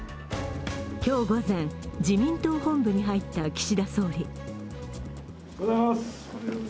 今日午前、自民党本部に入った岸田総理。